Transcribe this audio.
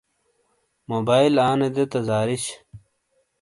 موبائیل آنے دے تا زارش۔